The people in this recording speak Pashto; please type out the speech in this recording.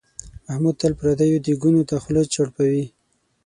محمود تل پردیو دیګونو ته خوله چړپوي.